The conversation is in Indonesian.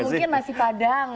atau mungkin nasi padang